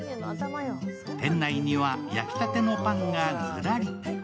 店内には焼き立てのパンがズラリ。